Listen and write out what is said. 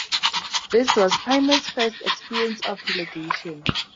This was Primus' first experience of relegation.